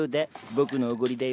僕のおごりだよ。